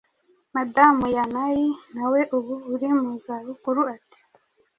Madamu Yanai nawe ubu uri mu zabukuru, ati: "